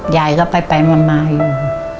ยายก็ไปวนมาอยู่